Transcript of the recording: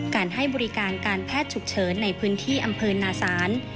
การให้บริการการแพทย์ฉุกเฉินในพื้นที่อำเภอนาศาล